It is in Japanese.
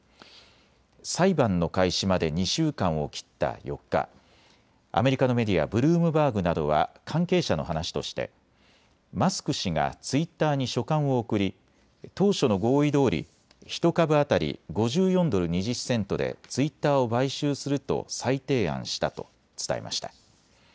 裁判の開始まで２週間を切った４日、アメリカのメディア、ブルームバーグなどは関係者の話としてマスク氏がツイッターに書簡を送り、当初の合意どおり１株当たり５４ドル２０セントでツイッターを買収すると再提案したと伝えました。